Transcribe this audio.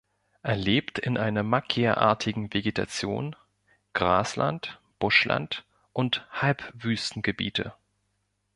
Er lebt in einer Macchie-artigen Vegetation, Grasland, Buschland und Halbwüstengebieten.